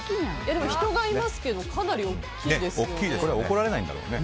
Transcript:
人がいますけどかなり大きいですよね。